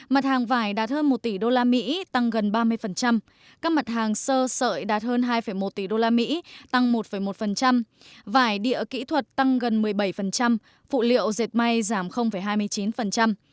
mặt hàng vải đạt hơn một tỷ usd tăng gần ba mươi các mặt hàng sơ sợi đạt hơn hai một tỷ usd tăng một một vải địa kỹ thuật tăng gần một mươi bảy phụ liệu dệt may giảm hai mươi chín